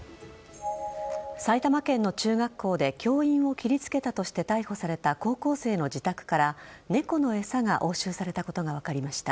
埼玉県の中学校で教員を切りつけたとして逮捕された高校生の自宅から猫の餌が押収されたことが分かりました。